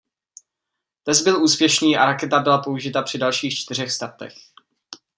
Test byl úspěšný a raketa byla použita při dalších čtyřech startech.